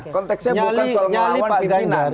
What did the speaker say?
konteksnya bukan soal melawan pimpinan